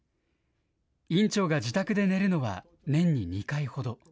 院長が自宅で寝るのは年に２回ほど。